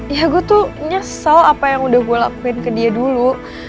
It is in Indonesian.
ya gue tuh nyesel apa yang udah gue lakuin ke dia dulu